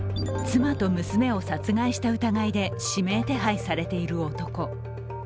妻と娘を殺害した疑いで指名手配されている男。